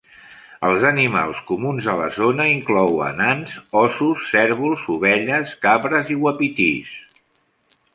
Els animals comuns a la zona inclouen ants, ossos, cérvols, ovelles, cabres i uapitís.